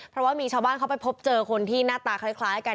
เพราะว่ามีชาวบ้านเขาไปพบเจอคนที่หน้าตาคล้ายกัน